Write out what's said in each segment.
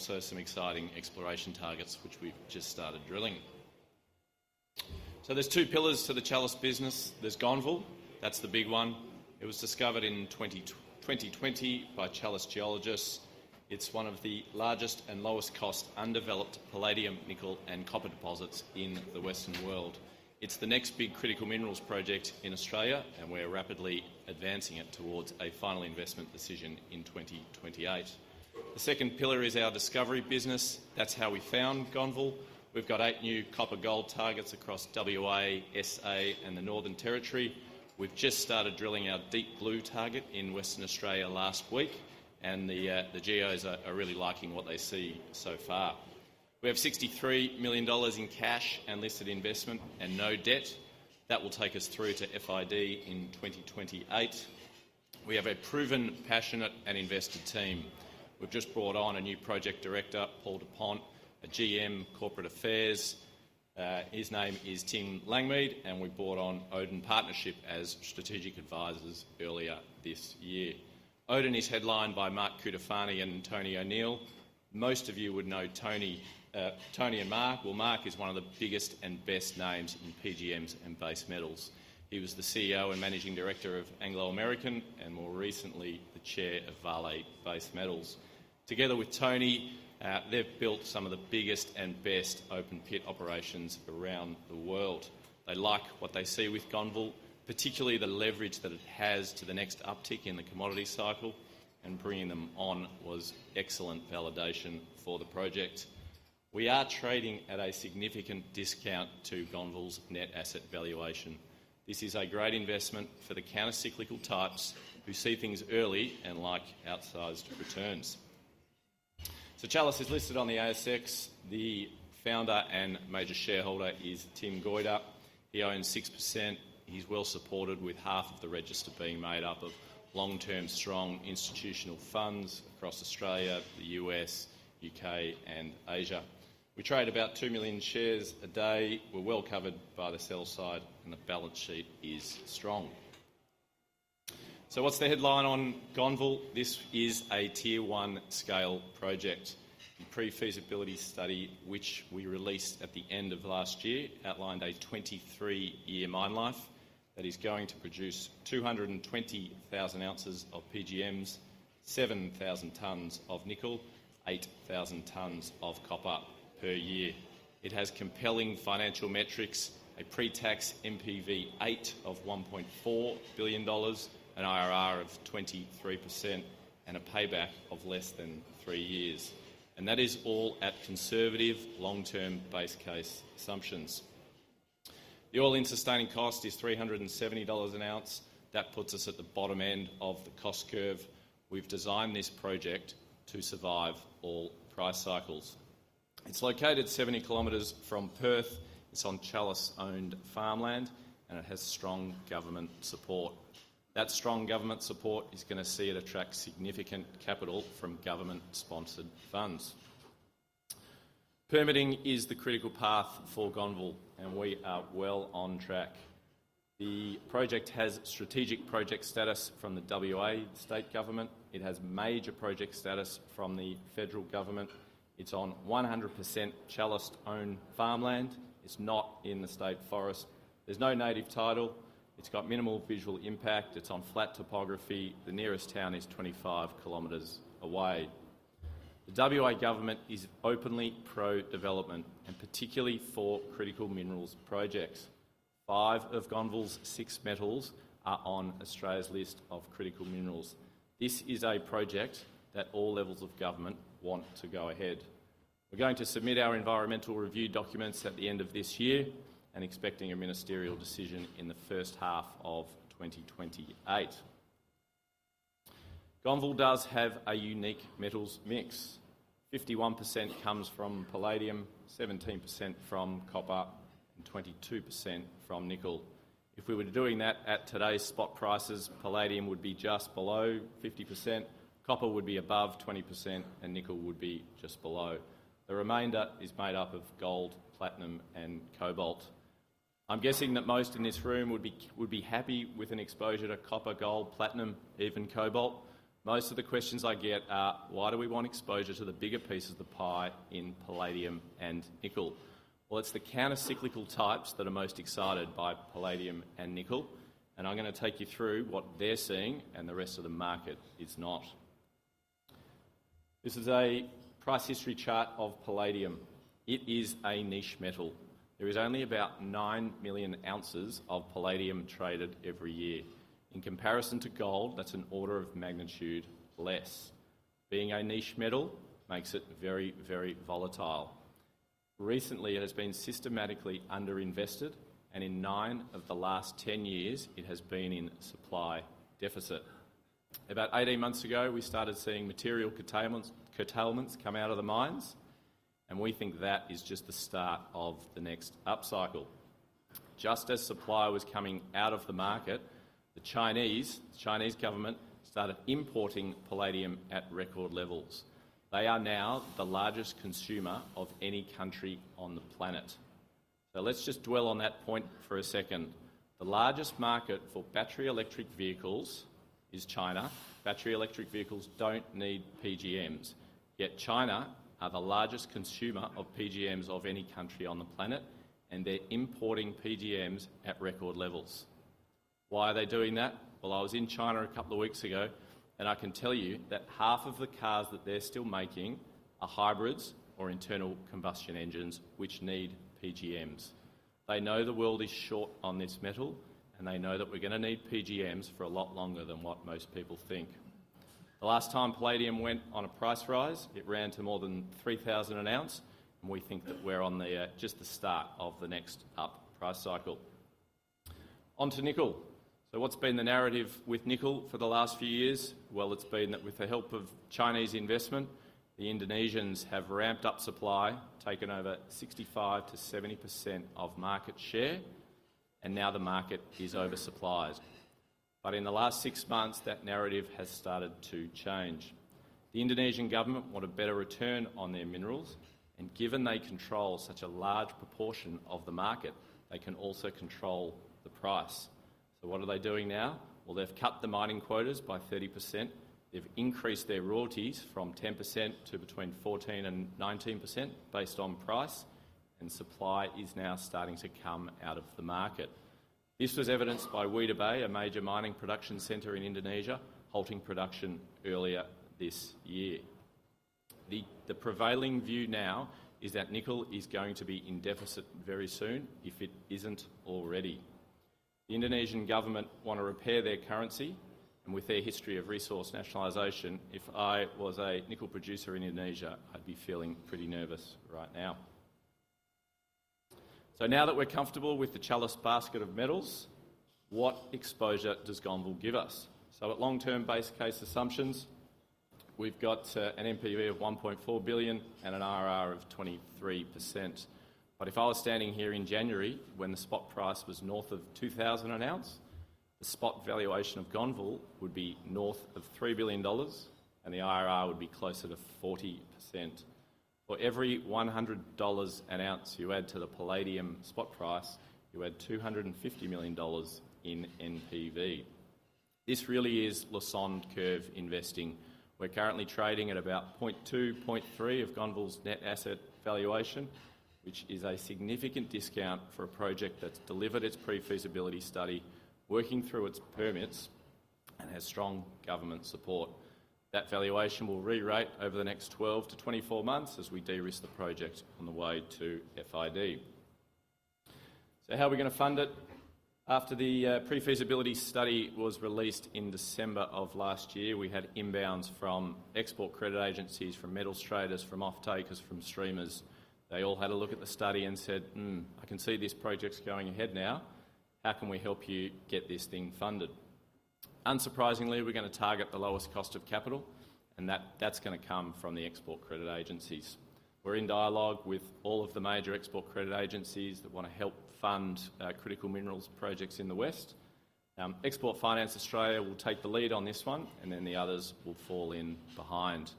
Also some exciting exploration targets which we've just started drilling. There's two pillars to the Chalice business. There's Gonneville, that's the big one. It was discovered in 2020 by Chalice geologists. It's one of the largest and lowest cost undeveloped palladium, nickel, and copper deposits in the Western world. It's the next big critical minerals project in Australia, and we're rapidly advancing it towards a final investment decision in 2028. The second pillar is our discovery business. That's how we found Gonneville. We've got eight new copper gold targets across W.A., S.A., and the Northern Territory. We've just started drilling our Deep Blue target in Western Australia last week, and the geos are really liking what they see so far. We have 63 million dollars in cash and listed investment and no debt. That will take us through to FID in 2028. We have a proven, passionate, and invested team. We've just brought on a new Project Director, Paul Dupont, a GM corporate affairs. His name is Tim Langmead, and we brought on Odin Partnership as strategic advisors earlier this year. Odin is headlined by Mark Cutifani and Tony O'Neill. Most of you would know Tony and Mark. Mark is one of the biggest and best names in PGMs and base metals. He was the CEO and Managing Director of Anglo American, and more recently, the Chair of Vale Base Metals. Together with Tony, they've built some of the biggest and best open-pit operations around the world. They like what they see with Gonneville, particularly the leverage that it has to the next uptick in the commodity cycle. Bringing them on was excellent validation for the project. We are trading at a significant discount to Gonneville's net asset valuation. This is a great investment for the counter-cyclical types who see things early and like outsized returns. Chalice is listed on the ASX. The Founder and Major Shareholder is Tim Goyder. He owns six percent. He's well-supported with half of the register being made up of long-term, strong institutional funds across Australia, the U.S., U.K., and Asia. We trade about 2 million shares a day. The balance sheet is strong. What's the headline on Gonneville? This is a tier 1 scale project. The Pre-Feasibility Study, which we released at the end of last year, outlined a 23-year mine life that is going to produce 220,000 ounces of PGMs, 7,000 tons of nickel, 8,000 tons of copper per year. It has compelling financial metrics, a pre-tax NPV8 of 1.4 billion dollars, an IRR of 23%, and a payback of less than three years. That is all at conservative long-term base case assumptions. The all-in sustaining cost is US$370 an ounce. That puts us at the bottom end of the cost curve. We've designed this project to survive all price cycles. It's located 70 km from Perth. It's on Chalice-owned farmland. It has strong government support. That strong government support is going to see it attract significant capital from government-sponsored funds. Permitting is the critical path for Gonneville. We are well on track. The project has strategic project status from the W.A. State Government. It has major project status from the federal government. It's on 100% Chalice-owned farmland. It's not in the state forest. There's no native title. It's got minimal visual impact. It's on flat topography. The nearest town is 25 km away. The W.A. government is openly pro-development, particularly for critical minerals projects. Five of Gonneville's six metals are on Australia's list of critical minerals. This is a project that all levels of government want to go ahead. We're going to submit our environmental review documents at the end of this year and expecting a ministerial decision in the first half of 2028. Gonneville does have a unique metals mix. 51% comes from palladium, 17% from copper, and 22% from nickel. If we were doing that at today's spot prices, palladium would be just below 50%, copper would be above 20%, and nickel would be just below. The remainder is made up of gold, platinum, and cobalt. I'm guessing that most in this room would be happy with an exposure to copper, gold, platinum, even cobalt. Most of the questions I get are, why do we want exposure to the bigger piece of the pie in palladium and nickel? Well, it's the counter-cyclical types that are most excited by palladium and nickel. I'm going to take you through what they're seeing and the rest of the market is not. This is a price history chart of palladium. It is a niche metal. There is only about 9 million ounces of palladium traded every year. In comparison to gold, that's an order of magnitude less. Being a niche metal makes it very, very volatile. Recently, it has been systematically under-invested, and in nine of the last 10 years, it has been in supply deficit. About 18 months ago, we started seeing material curtailments come out of the mines, and we think that is just the start of the next upcycle. Just as supply was coming out of the market, the Chinese government started importing palladium at record levels. They are now the largest consumer of any country on the planet. Let's just dwell on that point for a second. The largest market for battery electric vehicles is China. Battery electric vehicles don't need PGMs, yet China are the largest consumer of PGMs of any country on the planet, and they're importing PGMs at record levels. Why are they doing that? Well, I was in China a couple of weeks ago, and I can tell you that half of the cars that they're still making are hybrids or internal combustion engines, which need PGMs. They know the world is short on this metal, and they know that we're going to need PGMs for a lot longer than what most people think. The last time palladium went on a price rise, it ran to more than $3,000 an ounce, and we think that we're on just the start of the next up price cycle. On to nickel. What's been the narrative with nickel for the last few years? Well, it's been that with the help of Chinese investment, the Indonesians have ramped up supply, taken over 65%-70% of market share, and now the market is oversupplied. In the last six months, that narrative has started to change. The Indonesian government want a better return on their minerals, and given they control such a large proportion of the market, they can also control the price. What are they doing now? Well, they've cut the mining quotas by 30%. They've increased their royalties from 10% to between 14% and 19% based on price, and supply is now starting to come out of the market. This was evidenced by Weda Bay, a major mining production center in Indonesia, halting production earlier this year. The prevailing view now is that nickel is going to be in deficit very soon, if it isn't already. The Indonesian government want to repair their currency, and with their history of resource nationalization, if I was a nickel producer in Indonesia, I'd be feeling pretty nervous right now. Now that we're comfortable with the Chalice basket of metals, what exposure does Gonneville give us? At long-term base case assumptions, we've got an NPV of 1.4 billion and an IRR of 23%. If I was standing here in January when the spot price was north of 2,000 an ounce, the spot valuation of Gonneville would be north of 3 billion dollars, and the IRR would be closer to 40%. For every 100 dollars an ounce you add to the palladium spot price, you add 250 million dollars in NPV. This really is Lassonde curve investing. We're currently trading at about 0.2, 0.3 of Gonneville's net asset valuation, which is a significant discount for a project that's delivered its pre-feasibility study, working through its permits, and has strong government support. That valuation will rerate over the next 12-24 months as we de-risk the project on the way to FID. How are we going to fund it? After the pre-feasibility study was released in December of last year, we had inbounds from export credit agencies, from metals traders, from off-takers, from streamers. They all had a look at the study and said, "Hmm, I can see this project's going ahead now. How can we help you get this thing funded?" Unsurprisingly, we're going to target the lowest cost of capital, and that's going to come from the export credit agencies. We're in dialogue with all of the major export credit agencies that want to help fund critical minerals projects in the West. Export Finance Australia will take the lead on this one, and then the others will fall in behind.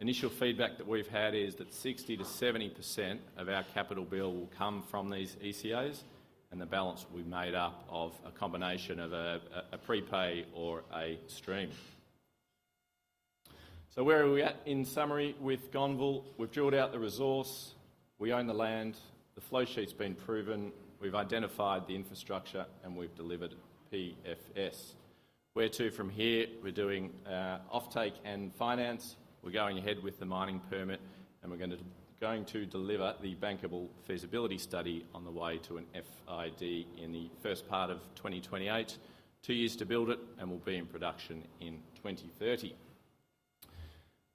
Initial feedback that we've had is that 60%-70% of our capital bill will come from these ECAs, and the balance will be made up of a combination of a prepay or a stream. Where are we at in summary with Gonneville? We've drilled out the resource. We own the land. The flowsheet's been proven. We've identified the infrastructure, and we've delivered PFS. Where to from here? We're doing off-take and finance. We're going ahead with the mining permit, and we're going to deliver the bankable feasibility study on the way to an FID in the first part of 2028. Two years to build it, and we'll be in production in 2030.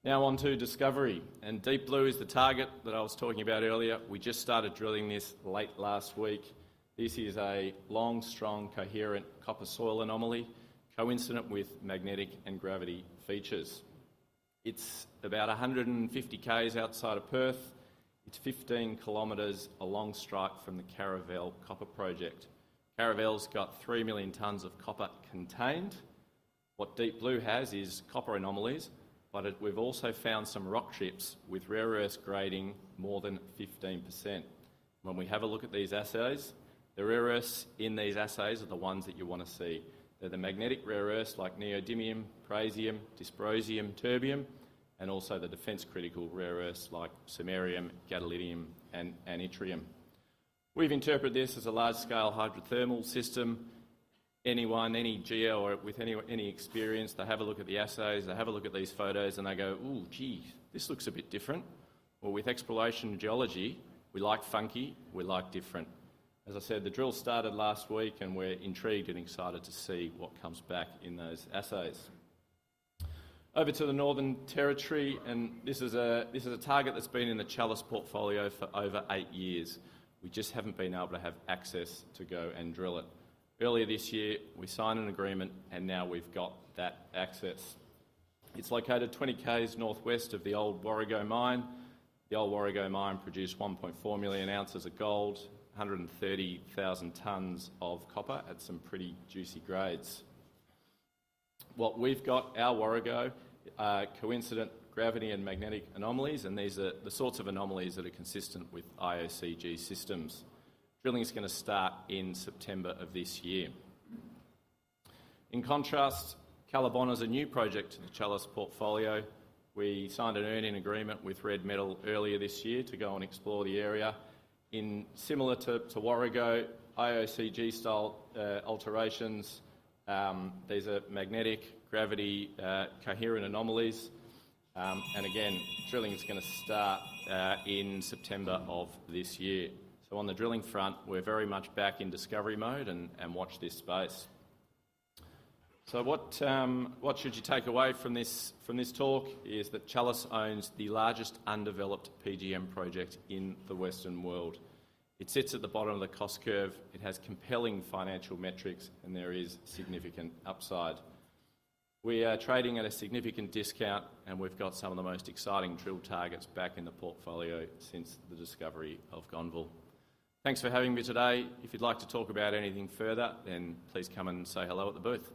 On to discovery, and Deep Blue is the target that I was talking about earlier. We just started drilling this late last week. This is a long, strong, coherent copper soil anomaly, coincident with magnetic and gravity features. It's about 150 km outside of Perth. It's 15 km along strike from the Caravel Copper Project. Caravel's got 3 million tons of copper contained. What Deep Blue has copper anomalies, but we've also found some rock chips with rare earths grading more than 15%. When we have a look at these assays, the rare earths in these assays are the ones that you want to see. They're the magnetic rare earths like neodymium, praseodymium, dysprosium, terbium, and also the defense-critical rare earths like samarium, gadolinium, and yttrium. We've interpreted this as a large-scale hydrothermal system. Anyone, any geo with any experience, they have a look at the assays, they have a look at these photos, and they go, "Ooh, gee, this looks a bit different." Well, with exploration geology, we like funky, we like different. As I said, the drill started last week. We're intrigued and excited to see what comes back in those assays. Over to the Northern Territory, this is a target that's been in the Chalice portfolio for over eight years. We just haven't been able to have access to go and drill it. Earlier this year, we signed an agreement. Now we've got that access. It's located 20 km northwest of the old Warrego mine. The old Warrego mine produced 1.4 million ounces of gold, 130,000 tons of copper at some pretty juicy grades. What we've got at Warrego are coincident gravity and magnetic anomalies. These are the sorts of anomalies that are consistent with IOCG systems. Drilling is going to start in September of this year. In contrast, Callabonna is a new project to the Chalice portfolio. We signed an earn-in agreement with Red Metal earlier this year to go and explore the area. Similar to Warrego, IOCG-style alterations. These are magnetic, gravity coherent anomalies. Again, drilling is going to start in September of this year. On the drilling front, we're very much back in discovery mode and watch this space. What should you take away from this talk is that Chalice owns the largest undeveloped PGM project in the Western world. It sits at the bottom of the cost curve. It has compelling financial metrics. There is significant upside. We are trading at a significant discount. We've got some of the most exciting drill targets back in the portfolio since the discovery of Gonneville. Thanks for having me today. If you'd like to talk about anything further, please come and say hello at the booth.